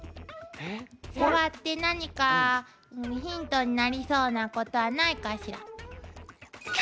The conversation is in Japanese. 触って何かヒントになりそうなことはないかしら。